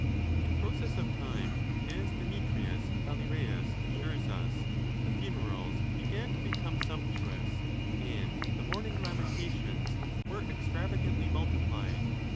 In process of time, as Demetrius Phalereus assures us, the funerals began to become sumptuous, and the mourning lamentations were extravagantly multiplied.